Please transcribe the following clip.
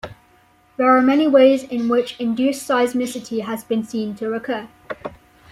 There are many ways in which induced seismicity has been seen to occur.